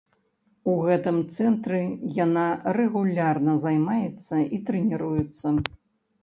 У гэтым цэнтры яна рэгулярна займаецца і трэніруецца.